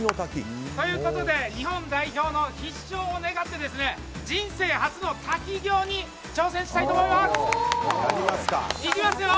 日本代表の必勝を願って人生初の滝行に挑戦したいと思います。